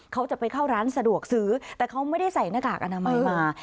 เขาจะไปเข้าร้านสะดวกซื้อแต่เขาไม่ได้ใส่หน้ากากอนามัยมา